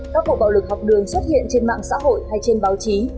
các vụ bạo lực học đường xuất hiện trên mạng xã hội hay trên báo chí